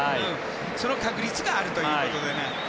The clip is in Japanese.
その確率があるということで。